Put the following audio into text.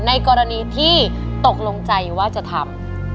ในกรณีที่ตกลงใจว่าจะทำ